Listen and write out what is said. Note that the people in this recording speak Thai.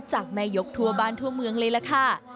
จากแม่ยกทั่วบ้านทั่วเมืองเลยล่ะค่ะ